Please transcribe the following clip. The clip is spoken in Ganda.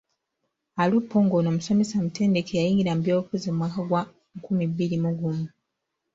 Alupo ng’ono musomesa mutendeke, yayingira mu byobufuzi mu mwaka gwa nkumi bbiri mu gumu.